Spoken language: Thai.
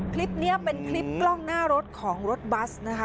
คลิปนี้เป็นคลิปกล้องหน้ารถของรถบัสนะคะ